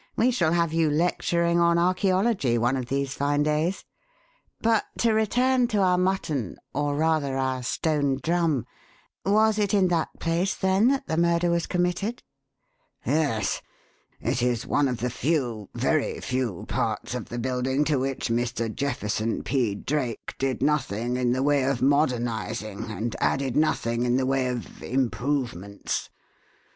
We shall have you lecturing on archæology one of these fine days. But to return to our mutton or, rather, our stone drum was it in that place, then, that the murder was committed?" "Yes. It is one of the few, very few, parts of the building to which Mr. Jefferson P. Drake did nothing in the way of modernizing, and added nothing in the way of 'improvements.'